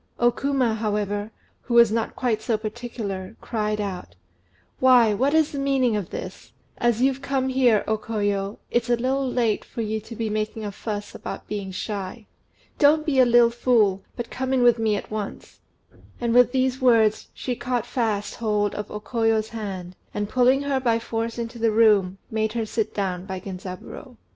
O Kuma, however, who was not quite so particular, cried out "Why, what is the meaning of this? As you've come here, O Koyo, it's a little late for you to be making a fuss about being shy. Don't be a little fool, but come in with me at once." And with these words she caught fast hold of O Koyo's hand, and, pulling her by force into the room, made her sit down by Genzaburô.